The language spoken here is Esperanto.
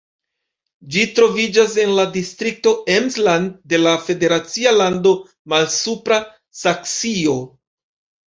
Ĝi troviĝas en la distrikto Emsland de la federacia lando Malsupra Saksio.